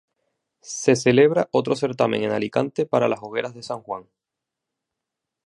Se celebra otro certamen en Alicante para las Hogueras de San Juan.